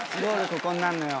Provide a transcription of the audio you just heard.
ここになるのよ。